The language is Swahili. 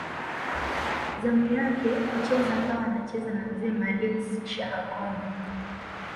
Zamu yake kucheza akawa anacheza na Mzee Maalim Shaha Kombo